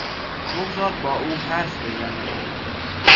بگذار با او حرف بزنم.